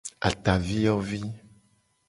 Ataviyovi.